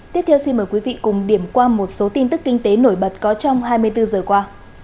tiếp theo xin mời quý vị cùng điểm qua một số tin tức kinh tế nổi bật có trong hai mươi bốn giờ qua